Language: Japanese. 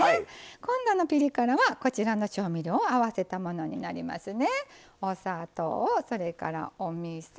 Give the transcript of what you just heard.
今度のピリ辛はこちらの調味料を合わせたものになりますね。